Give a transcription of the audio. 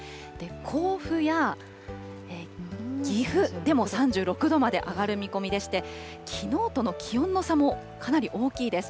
甲府や岐阜でも３６度まで上がる見込みでして、きのうとの気温の差もかなり大きいです。